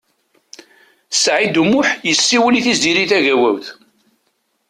Saɛid U Muḥ yessiwel i Tiziri Tagawawt.